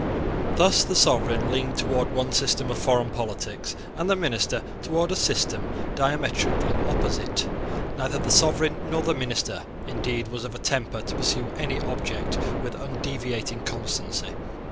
Thus the sovereign leaned towards one system of foreign politics, and the minister towards a system diametrically opposite. Neither the sovereign nor the minister, indeed, was of a temper to pursue any object with undeviating constancy.